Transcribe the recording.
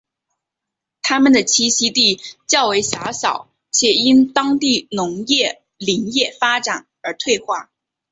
它们的栖息地较为狭小且因当地农业林业发展而退化。